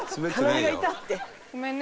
ごめんね。